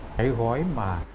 cái gói mà